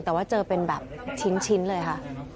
แต่ว่าเจอเป็นแบบชิ้นเลยค่ะ